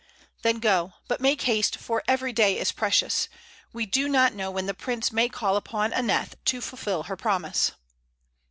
"Then go; but make haste, for every day is precious. We do not know when the prince may call upon Aneth to fulfil her promise."